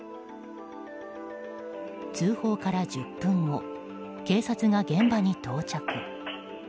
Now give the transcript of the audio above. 通報から１０分後警察が現場に到着。